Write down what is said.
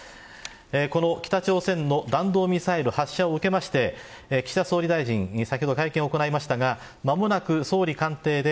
この北朝鮮の弾道ミサイル発射を受けまして岸田総理大臣は先ほど会見を行いましたが間もなく総理官邸で